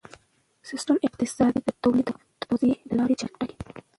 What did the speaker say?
سیستم اقتصادي د تولید او توزیع د لارې چارې ټاکي.